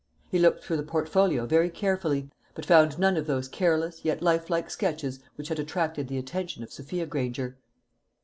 He looked through the portfolio very carefully, but found none of those careless yet life like sketches which had attracted the attention of Sophia Granger.